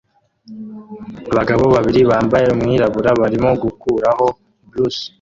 Abagabo babiri bambaye umwirabura barimo gukuraho brush